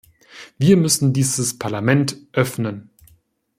Wir müssen dieses Parlament öffnen!